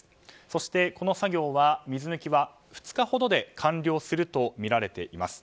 そして、この水抜きは２日ほどで完了するとみられています。